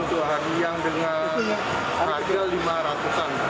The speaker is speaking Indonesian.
untuk hari yang dengan harga rp lima ratus